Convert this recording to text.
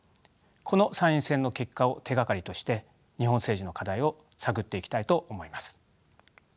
この参院選の結果を手がかりとして日本政治の課題を探っていきたいと思います。